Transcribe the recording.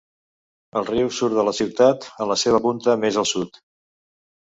El riu surt de la ciutat en la seva punta més al sud.